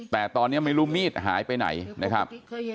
แต่ตอนนี้ไม่รู้มีดหายไปไหนนะครับ